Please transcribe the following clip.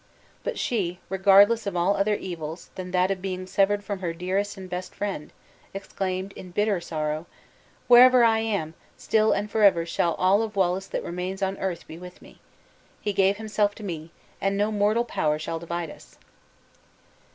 But she, regardless of all other evils than that of being severed from her dearest and best friend, exclaimed in bitter sorrow: "Wherever I am, still and forever shall all of Wallace that remains on earth be with me. He gave himself to me, and no mortal power shall divide us!"